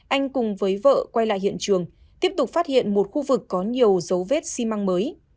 anh cùng với vợ quay lại hiện trường tiếp tục phát hiện một khu vực có nhiều dấu vết xi măng mới